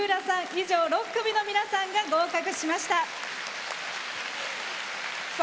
以上、６組の皆さんが合格しました。